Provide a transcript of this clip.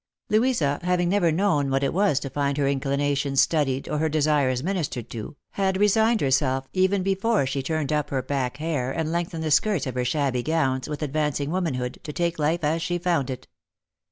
Louisa, having never known what it was to find her inclinations studied or her desires ministered to, had resigned herself, even before she turned up her back hair and lengthened the skirts of her shabby gowns, with advancing womanhood, to take life as she found it.